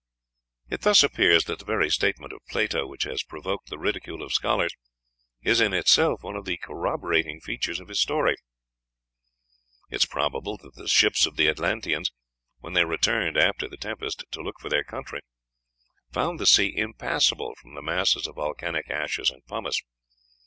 It thus appears that the very statement of Plato which has provoked the ridicule of scholars is in itself one of the corroborating features of his story. It is probable that the ships of the Atlanteans, when they returned after the tempest to look for their country, found the sea impassable from the masses of volcanic ashes and pumice.